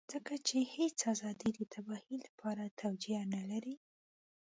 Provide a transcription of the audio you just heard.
ځکه چې هېڅ ازادي د تباهۍ لپاره توجيه نه لري.